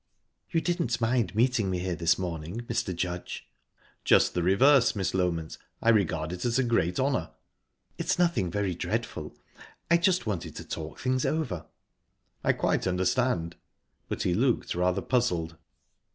"You didn't mind meeting me here this morning, Mr. Judge?" "Just the reverse, Miss Loment. I regard it as a great honour." "It's nothing very dreadful. I just wanted to talk things over." "I quite understand." But he looked rather puzzled.